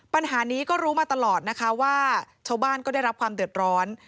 ปัญหานี้ก็รู้มาตลอดนะคะว่าชาวบ้านก็ได้รับความเดือดร้อน